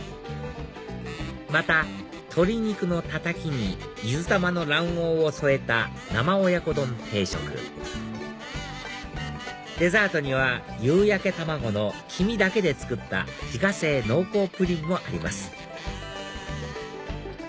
また鶏肉のたたきにゆずたまの卵黄を添えた生親子丼定食デザートにはゆうやけ卵の黄身だけで作った自家製濃厚プリンもあります